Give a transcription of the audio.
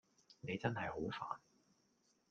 你真係好煩